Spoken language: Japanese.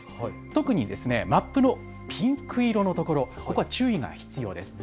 特にマップのピンク色のところ、ここは注意が必要です。